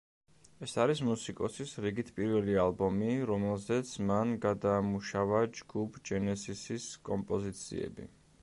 ეს არის მუსიკოსის რიგით პირველი ალბომი, რომელზეც მან გადაამუშავა ჯგუფ ჯენესისის კომპოზიციები.